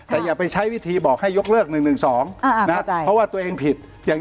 แต่อย่าไปใช้วิธีบอกให้ยกเลิก๑๑๒